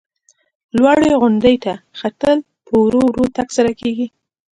لوړې غونډۍ ته ختل په ورو ورو تګ سره کېږي.